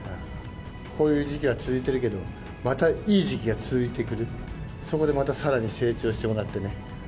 こういう時期が続いてるけど、またいい時期が続いてくる、そこでまたさらに成長してもらってね。